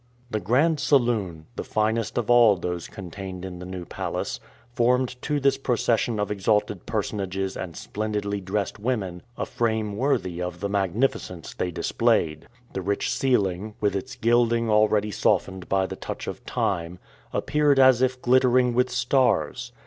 The grand saloon, the finest of all those contained in the New Palace, formed to this procession of exalted personages and splendidly dressed women a frame worthy of the magnificence they displayed. The rich ceiling, with its gilding already softened by the touch of time, appeared as if glittering with stars.